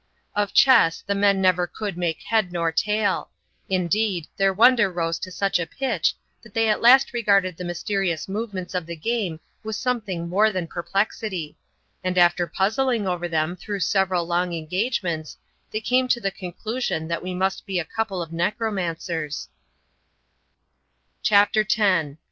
Of chess, the men never could make head nor tail ; indeed, their wonder rose to such a pitchy that they at last regarded the mysterious movements of the game with something more than perplexity ; and after puzzling over them through several long engagements, they came to the conclusion that we must be a couple of necro mancers CBAP. X.] A SEA.